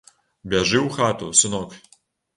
Бяжы ў хату, сынок.